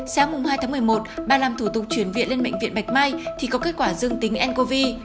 sáng hai tháng một mươi một bà làm thủ tục chuyển viện lên bệnh viện bạch mai thì có kết quả dương tính ncov